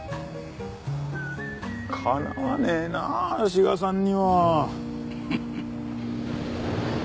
かなわねえなあ志賀さんには。